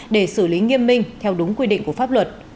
để xử lý nghiêm minh theo đúng quy định của pháp luật